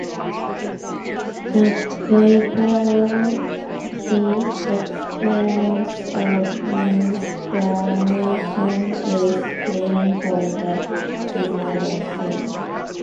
The play parallels the experience of menstruation with waiting for the seasonal monsoon.